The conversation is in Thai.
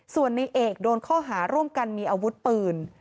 ส่วนในเอกโดนข้อหาร่วมกันมีอาวุธปืน